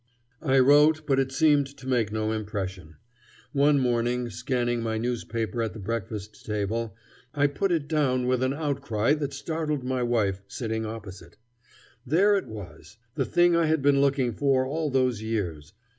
I wrote, but it seemed to make no impression. One morning, scanning my newspaper at the breakfast table, I put it down with an outcry that startled my wife, sitting opposite. There it was, the thing I had been looking for all those years.